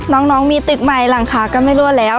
น้องมีตึกใหม่หลังคาก็ไม่รั่วแล้ว